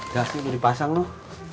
kasih udah dipasang loh